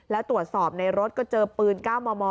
แล้วตรวจสอบในรถก็เจอปืน๙มม